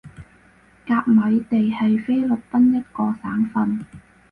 甲米地係菲律賓一個省份